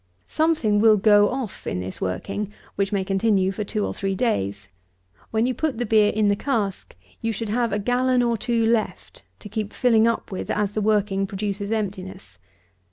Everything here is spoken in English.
Something will go off in this working, which may continue for two or three days. When you put the beer in the cask, you should have a gallon or two left, to keep filling up with as the working produces emptiness.